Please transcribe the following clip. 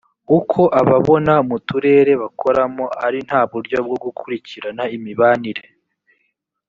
uko ababona mu turere bakoramo ari nta buryo bwo gukurikirana imibanire